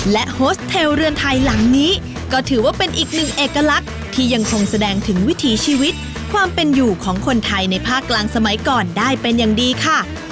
โฮสเทลเรือนไทยหลังนี้ก็ถือว่าเป็นอีกหนึ่งเอกลักษณ์ที่ยังคงแสดงถึงวิถีชีวิตความเป็นอยู่ของคนไทยในภาคกลางสมัยก่อนได้เป็นอย่างดีค่ะ